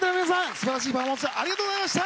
すばらしいパフォーマンスありがとうございました。